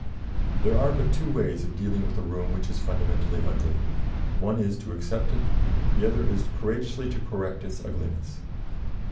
There are but two ways of dealing with a room which is fundamentally ugly: one is to accept it, and the other is courageously to correct its ugliness.